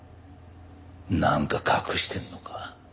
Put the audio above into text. なんか隠してんのか。